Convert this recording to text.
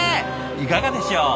いかがでしょう？